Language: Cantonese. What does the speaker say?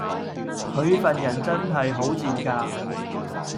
佢份人真係好賤格